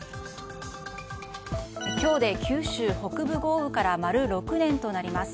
今日で九州北部豪雨から丸６年となります。